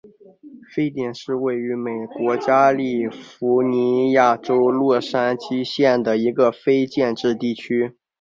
沸点是位于美国加利福尼亚州洛杉矶县的一个非建制地区。